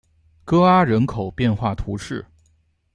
戈阿人口变化图示